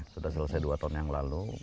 sudah selesai dua tahun yang lalu